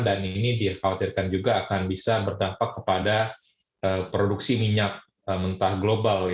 dan ini dikhawatirkan juga akan bisa berdampak kepada produksi minyak mentah global